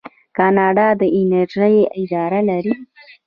کاناډا د انرژۍ اداره لري.